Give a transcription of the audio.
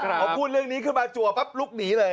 พอพูดเรื่องนี้ขึ้นมาจัวปั๊บลุกหนีเลย